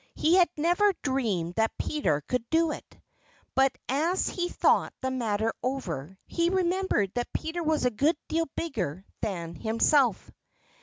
He had never dreamed that Peter could do it. But as he thought the matter over he remembered that Peter was a good deal bigger than himself.